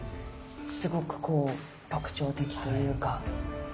すごくこう特徴的というか。